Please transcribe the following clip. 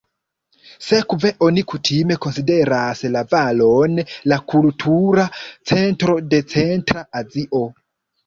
Sekve oni kutime konsideras la valon la kultura centro de Centra Azio.